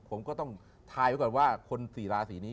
ผมก็ต้องทายไว้ก่อนว่าคนสี่ราศีนี้